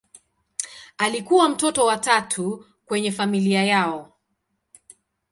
Alikuwa mtoto wa tatu kwenye familia yao.